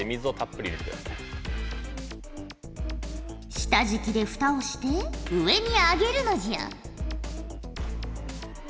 下じきで蓋をして上に上げるのじゃ。